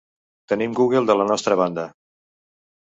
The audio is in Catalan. Tenim Google de la nostra banda.